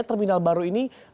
terminal baru ini